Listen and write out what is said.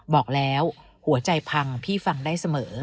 บอกแล้วหัวใจพังพี่ฟังได้เสมอ